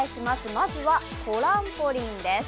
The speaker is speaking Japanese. まずはトランポリンです。